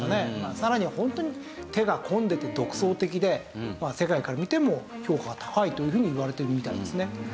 さらにホントに手が込んでて独創的で世界から見ても評価が高いというふうにいわれてるみたいですね。